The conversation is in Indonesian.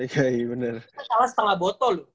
kita kalah setengah botol